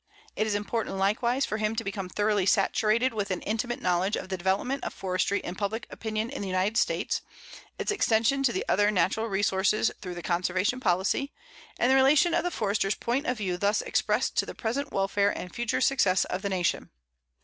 It is important likewise for him to become thoroughly saturated with an intimate knowledge of the development of forestry in public opinion in the United States, its extension to the other natural resources through the conservation policy, and the relation of the Forester's point of view thus expressed to the present welfare and future success of the Nation.